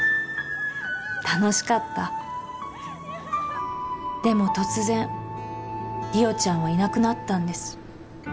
楽しかったでも突然莉桜ちゃんはいなくなったんです